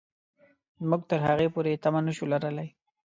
موږ تر هغې پورې تمه نه شو لرلای.